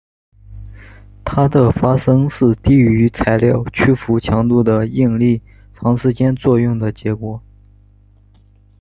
它的发生是低于材料屈服强度的应力长时间作用的结果。